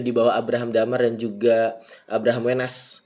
di bawah abraham damar dan juga abraham wenas